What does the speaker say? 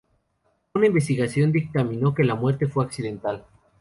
Una investigación dictaminó que la muerte fue accidental.